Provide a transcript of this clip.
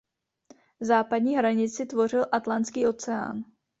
Západní hranici tvořil Atlantský oceán.